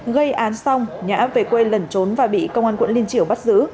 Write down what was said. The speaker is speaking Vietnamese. gây án xong nhã về quê lẩn trốn và bị công an quận liên triểu bắt giữ